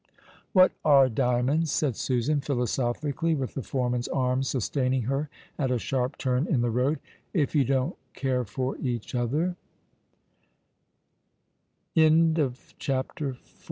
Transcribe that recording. " What are diamonds," said Susan, philosophically, with the foreman's arm sustaining her at a sharp turn in the road, " if you don't care for each other ?"( 6i ) CHAPTER Y.